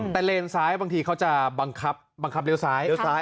แต่เลนซ้ายบางทีเค้าจะบังคับบังคับเลวซ้าย